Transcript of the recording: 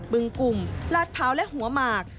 ึงกลุ่มลาดพร้าวและหัวหมาก